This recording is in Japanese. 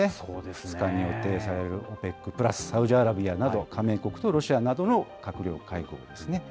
２日に予定されるＯＰＥＣプラス、サウジアラビアなど加盟国とロシアなどの閣僚会合ですね。